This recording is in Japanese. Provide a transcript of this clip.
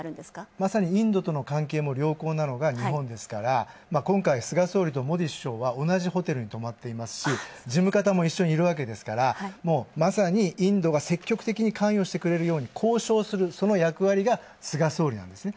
まさにインドとの関係も良好なのが日本ですから、今回菅総理とモディ首相は同じホテルに泊まっていますし、事務方も一緒にいるわけですからまさにインドが積極的に関与してくれるように交渉する、その役割が菅総理なんですね。